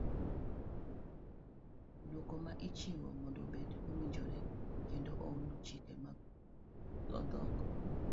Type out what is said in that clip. Duoko ma ichiwo mondo obed mowinjore kendo olu chike mag dhok.